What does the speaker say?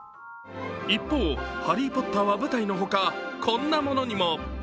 一方、「ハリー・ポッター」は舞台のほか、こんなものにも。